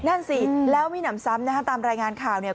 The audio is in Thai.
นั่นสิแล้วมีหนำซ้ำนะฮะตามรายงานข่าวเนี่ย